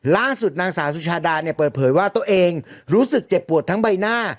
ล่าสุดนางสาวสุชาดาเนี่ยเปิดเผยว่าตัวเองรู้สึกเจ็บปวดทั้งใบหน้า